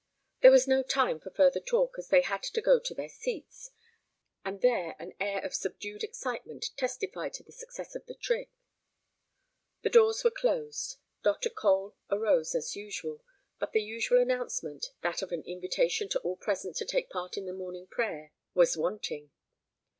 There was no time for further talk as they had to go to their seats, and there an air of subdued excitement testified to the success of the trick. The doors were closed, Dr. Cole arose as usual, but the usual announcement, that of an invitation to all present to take part in the morning prayer, was wanting.